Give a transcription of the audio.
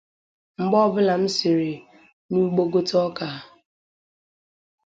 Mgbe ọbụla m siri n’ugbo gote ọka